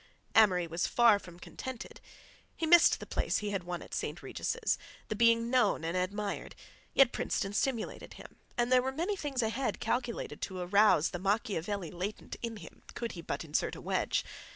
Amory was far from contented. He missed the place he had won at St. Regis', the being known and admired, yet Princeton stimulated him, and there were many things ahead calculated to arouse the Machiavelli latent in him, could he but insert a wedge.